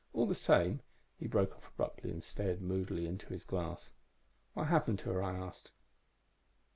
All the same ." He broke off abruptly and stared moodily into his glass. "What happened to her?" I asked.